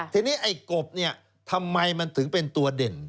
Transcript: ทีนี้ไอ้กบเนี่ยทำไมมันถึงเป็นตัวเด่น